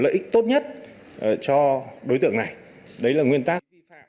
đó là nguyên tắc tốt nhất cho đối tượng này đấy là nguyên tắc